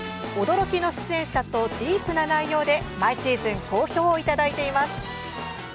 驚きの出演者とディープな内容で毎シーズン好評をいただいています。